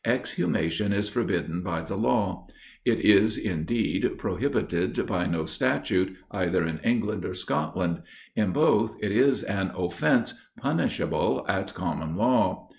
Exhumation is forbidden by the law. It is, indeed, prohibited by no statute, either in England or Scotland: in both, it is an offence punishable at common law.